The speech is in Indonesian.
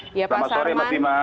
selamat sore mas bima